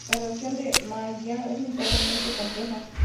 La reacción de Maillard es notablemente compleja.